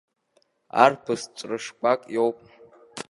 Арԥыс ҵәрышкәак иоуп.